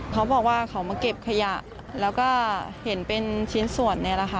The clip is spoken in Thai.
เขาบอกว่าเขามาเก็บขยะแล้วก็เห็นเป็นชิ้นส่วนเนี่ยแหละค่ะ